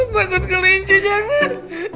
pak aku terlalu kelinci jangan